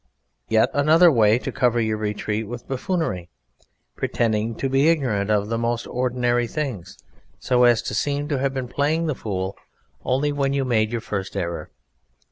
Yet another way is to cover your retreat with buffoonery, pretending to be ignorant of the most ordinary things, so as to seem to have been playing the fool only when you made your first error.